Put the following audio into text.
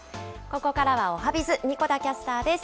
ここからはおはＢｉｚ、神子田キャスターです。